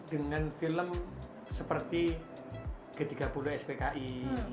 dengan film seperti g tiga puluh spki